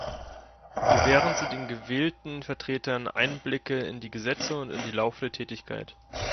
Gewähren Sie den gewählten Vertretern Einblicke in die Gesetze und in die laufende Tätigkeit.